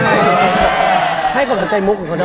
ให้คนใจมุกของเค้าเนอะ